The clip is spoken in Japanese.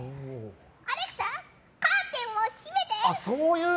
アレクサ、カーテンを閉めて。